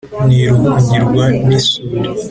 ntiruhungirwa n’isuri